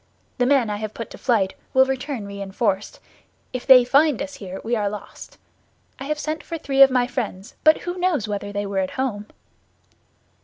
The men I have put to flight will return reinforced; if they find us here, we are lost. I have sent for three of my friends, but who knows whether they were at home?"